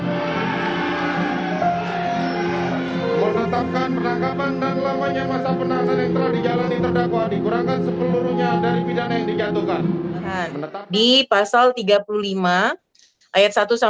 menetapkan penangkapan dan lamanya masa penahanan yang telah dijalani terdakwa dikurangkan sepeluruhnya dari pidana yang dijatuhkan